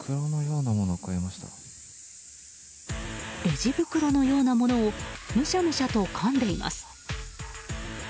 レジ袋のようなものをむしゃむしゃとかんでいます。